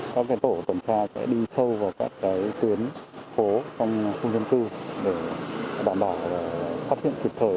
các tổ tuần tra sẽ đi sâu vào các tuyến phố trong khung dân tư để đảm bảo phát hiện trực thời